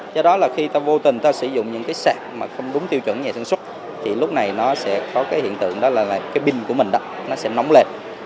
do đó là khi ta vô tình ta sử dụng những cái sạc mà không đúng tiêu chuẩn nhà sản xuất thì lúc này nó sẽ có cái hiện tượng đó là cái pin của mình đắp nó sẽ nóng lệ